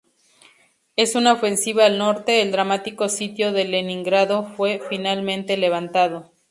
En una ofensiva al norte, el dramático sitio de Leningrado fue finalmente levantado.